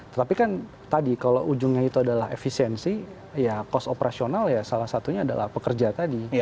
tetapi kan tadi kalau ujungnya itu adalah efisiensi ya cost operasional ya salah satunya adalah pekerja tadi